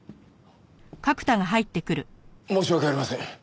申し訳ありません。